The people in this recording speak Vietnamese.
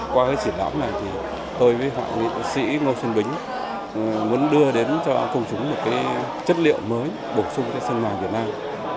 qua cái triển lãm này thì tôi với họa sĩ ngô xuân bính muốn đưa đến cho công chúng một cái chất liệu mới bổ sung cái sơn mai việt nam